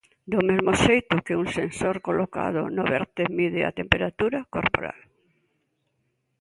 Do mesmo xeito que un sensor colocado no berce mide a temperatura corporal.